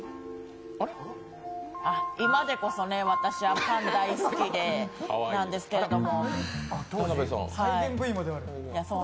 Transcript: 今でこそ、私、パン大好きなんですけども。